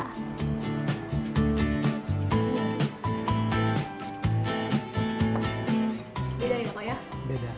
beda nih bapak ya beda